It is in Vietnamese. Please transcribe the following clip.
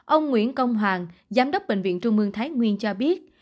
ông nguyễn công hoàng giám đốc bệnh viện trung mương thái nguyên cho biết